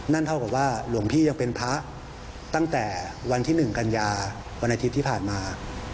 เท่ากับว่าหลวงพี่ยังเป็นพระตั้งแต่วันที่๑กันยาวันอาทิตย์ที่ผ่านมา